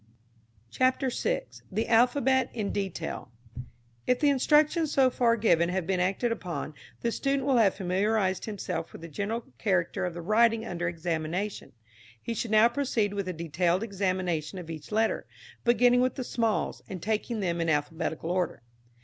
CHAPTER VI. THE ALPHABET IN DETAIL. [Illustration: ALPHABET VARIANTS.] If the instructions so far given have been acted upon, the student will have familiarised himself with the general character of the writing under examination. He should now proceed with a detailed examination of each letter, beginning with the smalls, and taking them in alphabetical order.